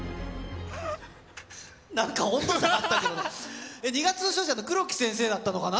なんか温度差あったけど、『二月の勝者』の黒木先生だったのかな？